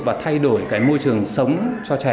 và thay đổi môi trường sống cho trẻ